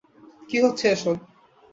কি হচ্ছে এসব?